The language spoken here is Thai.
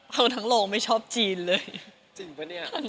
จริงหรือเปล่า